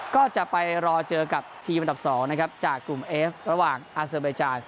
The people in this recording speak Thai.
ก็จะไปรอเจอกับทีมอันดับ๒นะครับจากกลุ่มเอฟระหว่างอาเซอร์เบจาน